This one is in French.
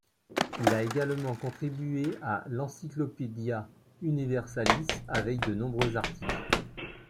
Il a également contribué à l'Encyclopædia Universalis avec de nombreux articles.